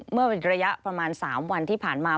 เมื่อระยะประมาณ๓วันที่ผ่านมา